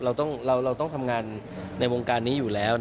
ตัวเป็นนักแสดงเราต้องทำงานในวงการนี้อยู่แล้ว